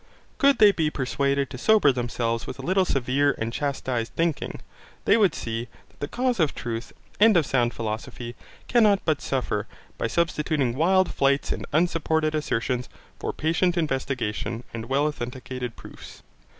Could they be persuaded to sober themselves with a little severe and chastised thinking, they would see, that the cause of truth, and of sound philosophy, cannot but suffer by substituting wild flights and unsupported assertions for patient investigation, and well authenticated proofs.